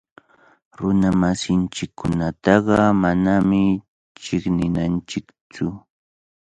Runamasinchikkunataqa manami chiqninanchiktsu.